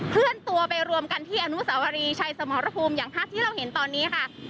เคลื่อนตัวไปรวมกันที่อนุสาวรีชัยสมรภูมิอย่างภาพที่เราเห็นตอนนี้ค่ะ